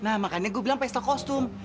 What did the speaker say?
nah makanya gue bilang pesta kostum